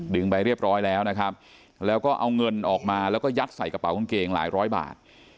ไปเรียบร้อยแล้วนะครับแล้วก็เอาเงินออกมาแล้วก็ยัดใส่กระเป๋ากางเกงหลายร้อยบาท